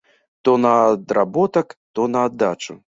То на адработак, то на аддачу.